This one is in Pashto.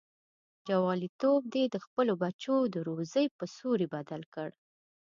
جواليتوب دې د خپلو بچو د روزۍ په سوري بدل کړ.